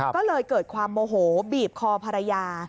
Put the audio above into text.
ก็เลยเกิดความโมโหบีบคอภรรยา